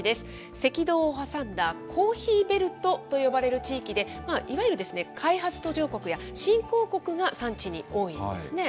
赤道を挟んだコーヒーベルトと呼ばれる地域で、いわゆる開発途上国や、新興国が産地に多いんですね。